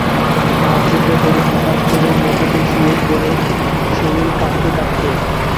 দাঁত চেপে ধরে হঠাৎ করে মেঝেতে শুয়ে পরে শরীর কাঁপতে কাঁপতে।